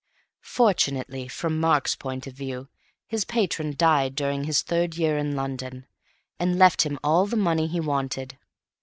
Fortunately (from Mark's point of view) his patron died during his third year in London, and left him all the money he wanted.